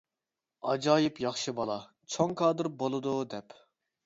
ئاجايىپ ياخشى بالا، چوڭ كادىر بولىدۇ دەپ.